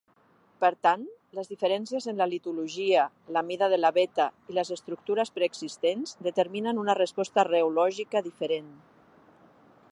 Per tant, les diferències en la litologia, la mida de la veta i les estructures preexistents determinen una resposta reològica diferent.